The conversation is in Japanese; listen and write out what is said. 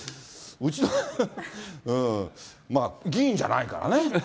うちの番組、まあ議員じゃないからね。